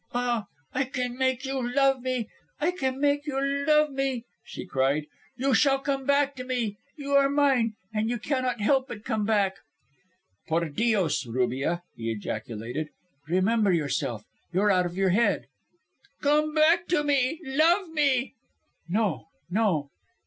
"Ah, I can make you love me. I can make you love me," she cried. "You shall come back to me. You are mine, and you cannot help but come back." "Por Dios, Rubia," he ejaculated, "remember yourself. You are out of your head." "Come back to me; love me." "No, no."